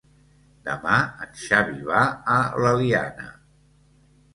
Demà en Xavi va a l'Eliana.